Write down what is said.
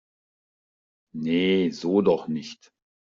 Nee, so doch nicht!